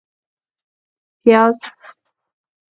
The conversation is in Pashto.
🧅 پیاز